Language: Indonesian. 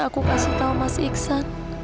aku kasih tahu mas iksan